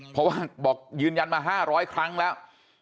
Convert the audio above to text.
เพราะว่าบอกยืนยันมา๕๐๐ครั้งแล้ว